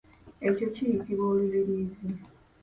Ekyo kiyitibwa olubiriizi.